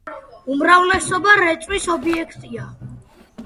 უმრავლესობა რეწვის ობიექტია.